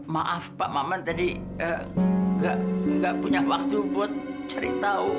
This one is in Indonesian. maaf pak maman tadi gak punya waktu buat cerita